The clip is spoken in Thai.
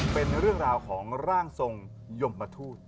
เป็นเรื่องราวของร่างทรงยมทูต